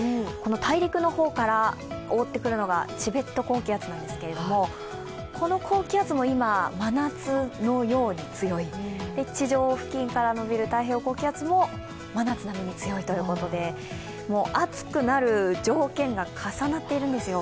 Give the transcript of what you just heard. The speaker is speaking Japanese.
大陸の方から覆ってくるのがチベット高気圧なんですけれども、この高気圧も今、真夏のように強い、地上付近から伸びる太平洋高気圧も真夏並みに強いということで、暑くなる条件が重なっているんですよ。